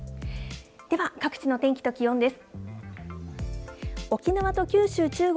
では、各地の天気と気温です。